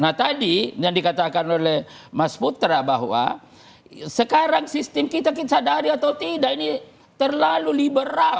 nah tadi yang dikatakan oleh mas putra bahwa sekarang sistem kita sadari atau tidak ini terlalu liberal